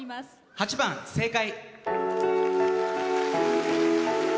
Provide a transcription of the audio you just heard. ８番「正解」。